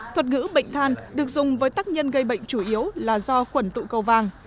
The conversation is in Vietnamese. thuật ngữ bệnh than được dùng với tác nhân gây bệnh chủ yếu là do khuẩn tụ cầu vàng